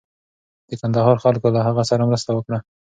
د کندهار خلکو له هغه سره مرسته وکړه.